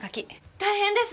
大変です。